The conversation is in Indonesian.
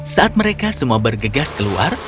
saat mereka semua bergegas keluar